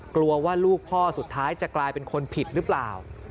กลัวว่าลูกพ่อสุดท้ายจะกลายเป็นคนผิดหรือเปล่า